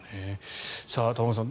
玉川さん